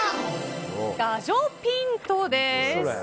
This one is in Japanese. ガジョ・ピントです。